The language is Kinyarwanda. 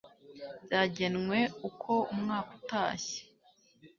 byagenwe uko umwaka utashye